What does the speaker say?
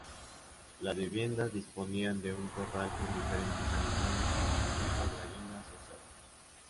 Las viviendas disponían de un corral con diferentes animales como conejos, gallinas o cerdos.